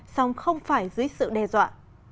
song không phải dưới sự đe dọa